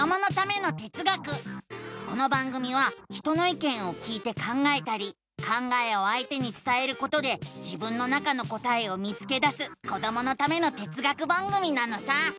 この番組は人のいけんを聞いて考えたり考えをあいてにつたえることで自分の中の答えを見つけだすこどものための哲学番組なのさ！